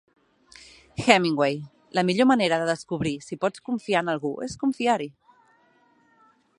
Hemingway: la millor manera de descobrir si pots confiar en algú és confiar-hi.